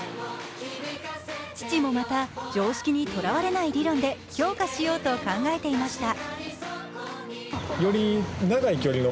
父もまた、常識にとらわれない理論で強化しようと考えていました。